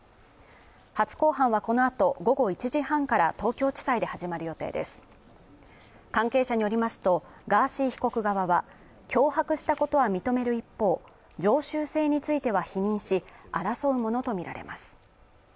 初公判はこのあと午後１時半から東京地裁で始まる予定です関係者によりますとガーシー被告側は脅迫したことは認める一方常習性については否認し争うものと見られます